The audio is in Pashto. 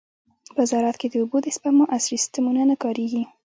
په زراعت کې د اوبو د سپما عصري سیستمونه نه کارېږي.